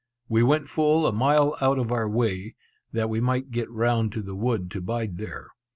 We went full a mile out of our way, that we might get round to the wood to bide there.